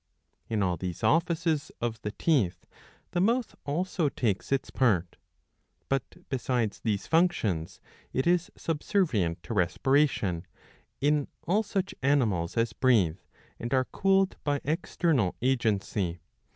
^^ In all these offices of the teeth the mouth also takes its part ; but besides these functions it is subservient to respiration, in all such animals as breathe and are cooled by external agency.